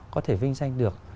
có thể vinh danh được